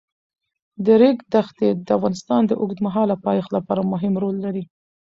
د ریګ دښتې د افغانستان د اوږدمهاله پایښت لپاره مهم رول لري.